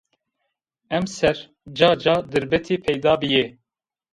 Emser ca-ca dirbetî peyda bîyê